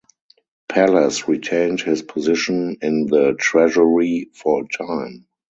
Pallas retained his position in the treasury for a time.